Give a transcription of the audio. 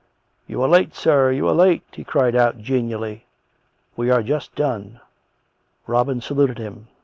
" You are late, sir, you are late !" he cried out genially. " We are just done." Robin saluted him.